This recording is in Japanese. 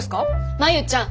真夕ちゃん！